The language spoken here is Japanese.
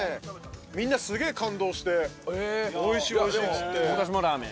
みんなすげえ感動して「おいしいおいしい」っつって。